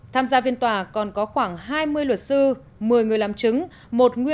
tham gia viên tòa còn có khoảng hai mươi luật sư một mươi người làm chứng